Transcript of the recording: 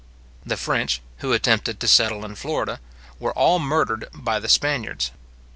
The French, who attempted to settle in Florida, were all murdered by the Spaniards.